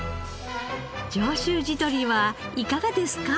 上州地鶏はいかがですか？